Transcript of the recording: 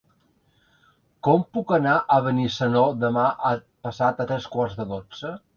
Com puc anar a Benissanó demà passat a tres quarts de dotze?